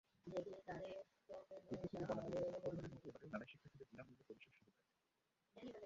বিজ্ঞপ্তিতে বলা হয়েছে, প্রতিবারের মতো এবারেও মেলায় শিক্ষার্থীদের বিনা মূল্যে প্রবেশের সুযোগ থাকবে।